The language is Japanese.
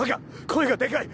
声がでかい。